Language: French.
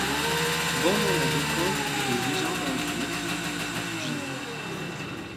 Bon nombre de contes ou de légendes ont été écrits à son sujet.